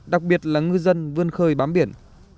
đặc biệt là ngư dân vươn khơi bám biển